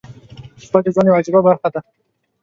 • شپه د ژوند یوه عجیبه برخه ده.